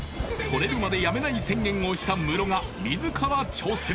取れるまでやめない宣言をしたムロが自ら挑戦！